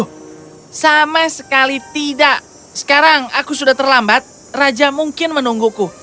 oh sama sekali tidak sekarang aku sudah terlambat raja mungkin menungguku